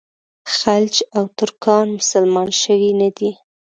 خلج او ترکان مسلمانان شوي نه دي.